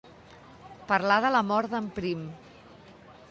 Parlar de la mort d'en Prim.